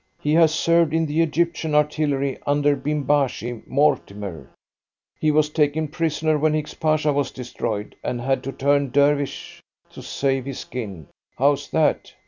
He has served in the Egyptian Artillery under Bimbashi Mortimer. He was taken prisoner when Hicks Pasha was destroyed, and had to turn Dervish to save his skin. How's that?"